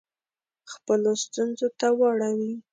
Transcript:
خپلو ستونزو ته واړوي.